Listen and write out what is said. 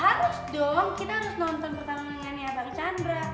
harus dong kita harus nonton pertarungannya bang chandra